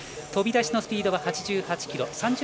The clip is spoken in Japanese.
飛び出しのスピードが８８キロ。